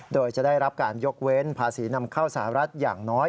โดยจะได้รับการยกเว้นภาษีนำเข้าสหรัฐอย่างน้อย